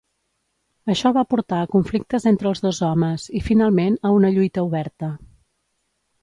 Això va portar a conflictes entre els dos homes i finalment a una lluita oberta.